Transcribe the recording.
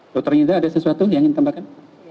dokter yuda ada sesuatu yang ingin tambahkan